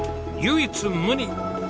唯一無二！